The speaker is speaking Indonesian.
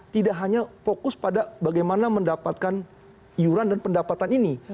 tidak hanya fokus pada bagaimana mendapatkan iuran dan pendapatan ini